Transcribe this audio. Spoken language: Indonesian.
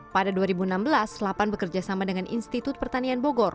pada dua ribu enam belas lapan bekerja sama dengan institut pertanian bogor